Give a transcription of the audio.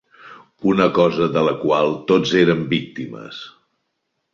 Una cosa de la qual tots érem víctimes